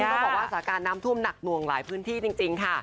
ต้องบอกว่าสถานการณ์น้ำท่วมหนักหน่วงหลายพื้นที่จริงค่ะ